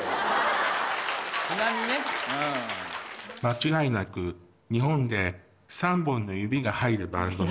間違いなく日本で３本の指が入るバンドなの。